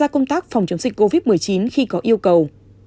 công tác phòng chống dịch covid một mươi chín khi có yêu cầu